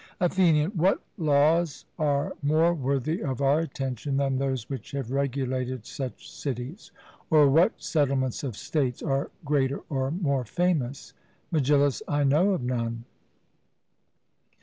ATHENIAN: What laws are more worthy of our attention than those which have regulated such cities? or what settlements of states are greater or more famous? MEGILLUS: I know of none.